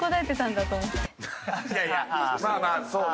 いやいやまあまあそうね。